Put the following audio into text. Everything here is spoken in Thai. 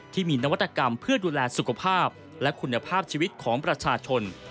ที่มีนวัตกรรมเพื่อดูแลสุขภาพและคุณภาพชีวิตของประชาชน